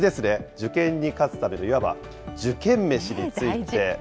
受験に勝つためのいわば受験メシについて。